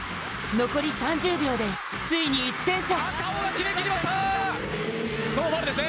残り３０秒でついに１点差。